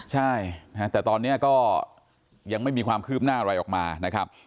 ใช่แต่ตอนนี้ก็ยังไม่มีความคืบหน้าอะไรออกมานะครับ